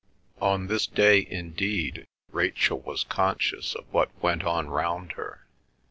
On this day indeed Rachel was conscious of what went on round her.